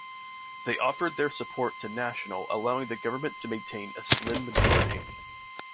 They offered their support to National, allowing the government to maintain a slim majority.